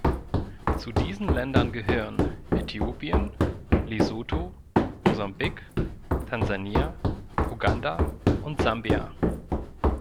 Zu diesen Ländern gehören Äthiopien, Lesotho, Mosambik, Tansania, Uganda und Sambia.